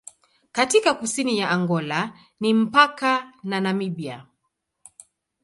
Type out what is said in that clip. Katika kusini ya Angola ni mpaka na Namibia.